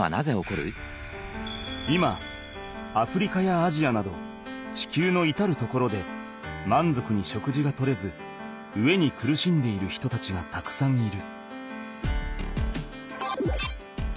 今アフリカやアジアなど地球のいたる所でまんぞくに食事が取れず飢えに苦しんでいる人たちがたくさんいる。